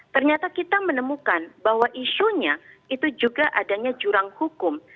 ternyata kita menemukan bahwa isunya itu juga adanya jurang hukum